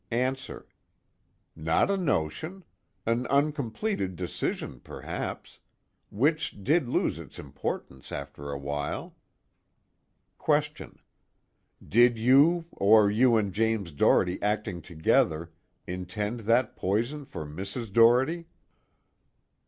ANSWER: Not a notion. An uncompleted decision, perhaps. Which did lose its importance after a while. QUESTION: Did you, or you and James Doherty acting together, intend that poison for Mrs. Doherty?